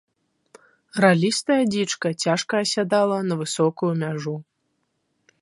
Ралістая дзічка цяжка асядала на высокую мяжу.